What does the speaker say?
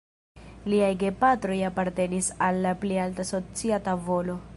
Liaj gepatroj apartenis al la pli alta socia tavolo.